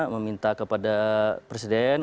meminta kepada presiden